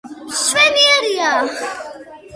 მშვენიერია.